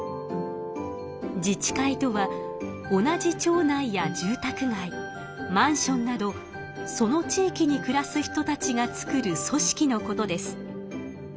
自治会とは同じ町内や住宅街マンションなどその地域にくらす人たちが作る組織のことです。